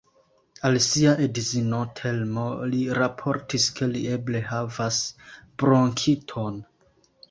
Al sia edzino, Telmo, li raportis ke li eble havas bronkiton.